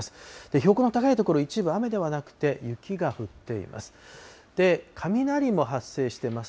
標高の高い所、一部、雨ではなくて、雪が降っています。